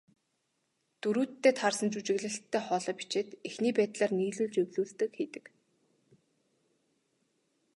Дүрүүддээ таарсан жүжиглэлттэй хоолой бичээд, эхний байдлаар нийлүүлж эвлүүлэг хийдэг.